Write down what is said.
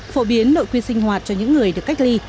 phổ biến nội quy sinh hoạt cho những người được cách ly